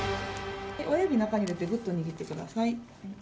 親指中に入れてぐっと握ってください。